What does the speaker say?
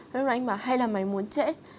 lúc đó anh ấy bảo hay là mày muốn chết